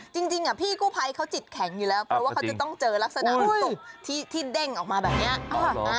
คือจริงพี่กู้ภัยเขาจิตแข็งนี่แหละเพราะว่าเขาจะต้องเจอลักษนาที่เด้งออกมาแบบนี้